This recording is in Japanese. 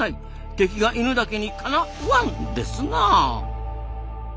敵がイヌだけにかなワン！ですなあ。